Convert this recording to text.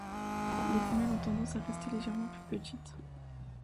Les femelles ont tendance à rester légèrement plus petites.